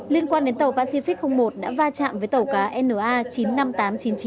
liên quan đến tàu pacific một đã va chạm với tàu cá na chín mươi năm nghìn tám trăm chín mươi chín